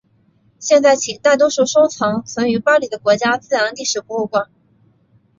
现在起大多数收藏存于巴黎的国家自然历史博物馆。